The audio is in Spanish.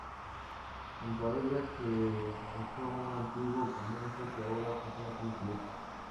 Junto a ella se alza un antiguo convento que ahora funciona como colegio.